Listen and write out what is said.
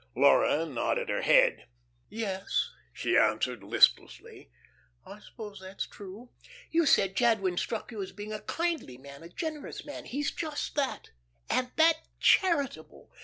Laura nodded her head. "Yes," she answered, listlessly, "I suppose that's true." "You said Jadwin struck you as being a kindly man, a generous man. He's just that, and that charitable!